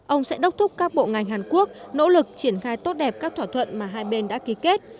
ông sẽ đốc thúc các bộ ngành hàn quốc nỗ lực triển khai tốt đẹp các thỏa thuận mà hai bên đã ký kết